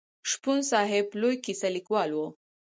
شپون صاحب لوی کیسه لیکوال و.